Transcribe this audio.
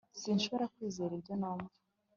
Sinshobora kwizera ibyo numva